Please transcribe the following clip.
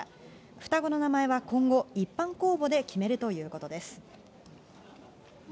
双子の名前は今後、一般公募で決めるということです。